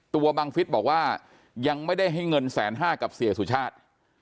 บังฟิศบอกว่ายังไม่ได้ให้เงินแสนห้ากับเสียสุชาติ